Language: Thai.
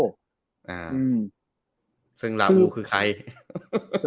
คนราวุคือใคร